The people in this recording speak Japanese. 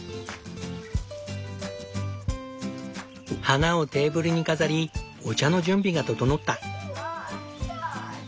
花をテーブルに飾りお茶の準備が整った。